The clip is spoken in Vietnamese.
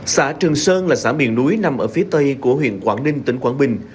xã trường sơn là xã miền núi nằm ở phía tây của huyện quảng ninh tỉnh quảng bình